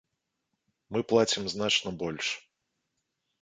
Мы плацім значна больш.